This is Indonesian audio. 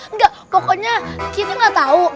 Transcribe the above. enggak pokoknya kita gak tau